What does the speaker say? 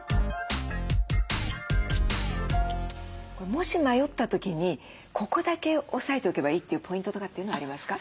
もし迷った時にここだけ押さえとけばいいというポイントとかっていうのはありますか？